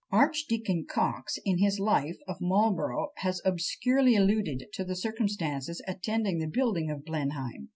Archdeacon Coxe, in his Life of Marlborough, has obscurely alluded to the circumstances attending the building of Blenheim.